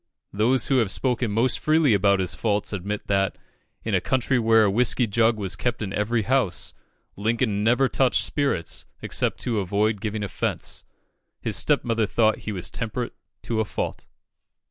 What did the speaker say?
Those who have spoken most freely of his faults admit that, in a country where a whiskey jug was kept in every house, Lincoln never touched spirits except to avoid giving offence. His stepmother thought he was temperate to a fault.